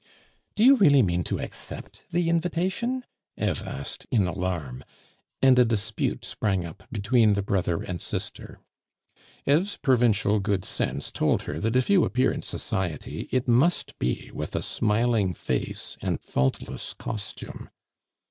"Do you really mean to accept the invitation?" Eve asked in alarm, and a dispute sprang up between the brother and sister. Eve's provincial good sense told her that if you appear in society, it must be with a smiling face and faultless costume.